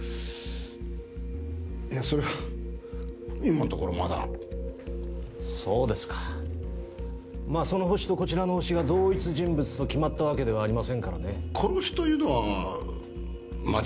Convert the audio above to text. いやいやそれが今のところまだそうですかまあそのホシとこちらのホシが同一人物と決まったわけではありませんからね殺しというのは間違いないんですか？